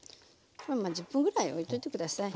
１０分ぐらいおいといて下さい。